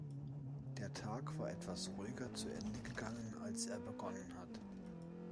Der Tag ist etwas ruhiger zu Ende gegangen, als er begonnen hat!